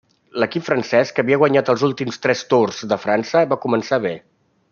L'equip francès, que havia guanyat els últims tres Tours de França, va començar bé.